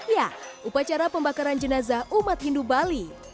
ya upacara pembakaran jenazah umat hindu bali